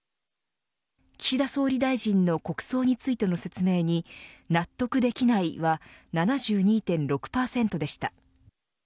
岸田総理大臣の国葬についての説明に納得できないは７２．６％でした。